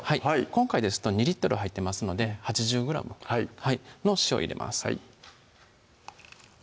今回ですと２入ってますので８０ｇの塩を入れます